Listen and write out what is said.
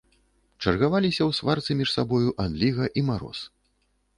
Чаргаваліся ў сварцы між сабою адліга і мароз.